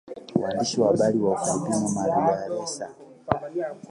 mwandishi wa habari wa Ufilipino Maria Ressa